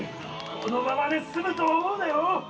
このままで済むと思うなよ！